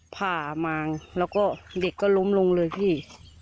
ผ่ามางแล้วก็เด็กก็ล้มลงเลยพี่